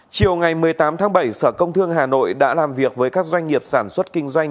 chiều ngày một mươi tám tháng bảy sở công thương hà nội đã làm việc với các doanh nghiệp sản xuất kinh doanh